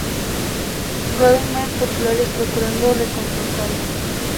Rodeiam-na populares procurando reconfortá-la.